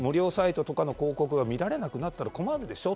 無料サイトとかの広告が見られなくなったりしたら困るでしょ？